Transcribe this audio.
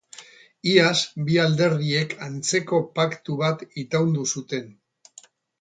Iaz bi alderdiek antzeko paktu bat itaundu zuten.